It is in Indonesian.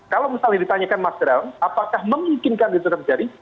kalau misalnya ditanyakan mas draw apakah memungkinkan itu terjadi